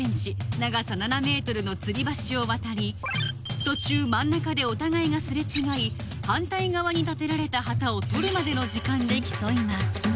長さ７メートルの吊り橋を渡り途中真ん中でお互いがすれ違い反対側に立てられた旗を取るまでの時間で競います